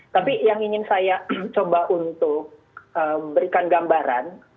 tapi yang ingin saya coba untuk berikan gambaran